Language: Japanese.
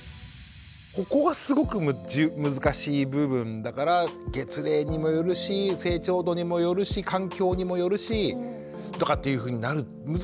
ここがすごく難しい部分だから月齢にもよるし成長度にもよるし環境にもよるしとかっていうふうになる難しい話なんです今日は。